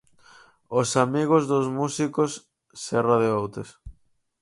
Os amigos dos músicos, Serra de Outes.